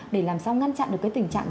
để làm sao ngăn chặn được cái tình trạng